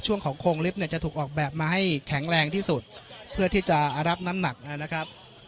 ช่วงของโครงลิฟต์เนี่ยจะถูกออกแบบมาให้แข็งแรงที่สุดเพื่อที่จะรับน้ำหนักนะครับ